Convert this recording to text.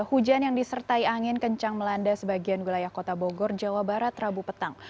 hujan yang disertai angin kencang melanda sebagian wilayah kota bogor jawa barat rabu petang